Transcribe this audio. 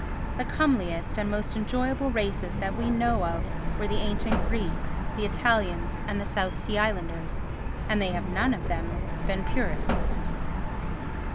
The comeliest and most enjoyable races that we know of were the ancient Greeks, the Italians and the South Sea Islanders, and they have none of them been purists.